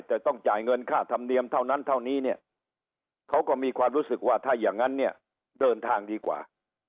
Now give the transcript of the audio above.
แต่ต้องจ่ายเงินค่าธรรมเนียมเท่านั้นเท่านี้เนี่ยเขาก็มีความรู้สึกว่าถ้าอย่างนั้นเนี่ยเดินทางดีกว่า